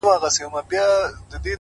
هیله د زړونو انرژي ده